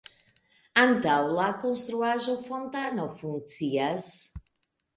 Antaŭ la konstruaĵo fontano funkcias.